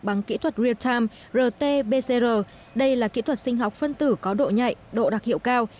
bằng kỹ thuật real time rt pcr đây là kỹ thuật sinh học phân tử có độ nhạy độ đặc hiệu cao